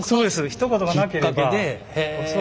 ひと言がなければ恐らく。